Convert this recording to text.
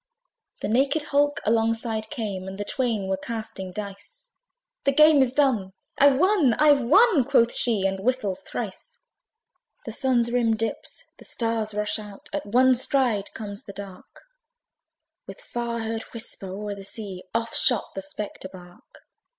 The naked hulk alongside came, And the twain were casting dice; "The game is done! I've won! I've won!" Quoth she, and whistles thrice. The Sun's rim dips; the stars rush out: At one stride comes the dark; With far heard whisper, o'er the sea. Off shot the spectre bark.